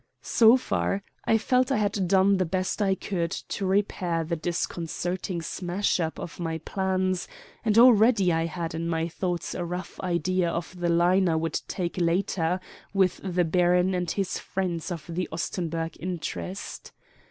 So far, I felt I had done the best I could to repair the disconcerting smash up of my plans, and already I had in my thoughts a rough idea of the line I would take later with the baron and his friends of the Ostenburg interest.